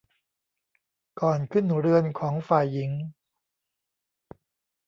ก่อนขึ้นเรือนของฝ่ายหญิง